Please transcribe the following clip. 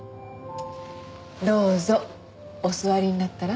どうぞお座りになったら？